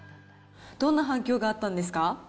どんな反響があったんですか。